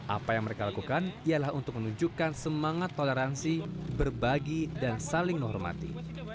apa yang mereka lakukan ialah untuk menunjukkan semangat toleransi berbagi dan saling menghormati